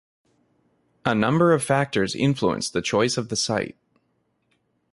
A number of factors influenced the choice of the site.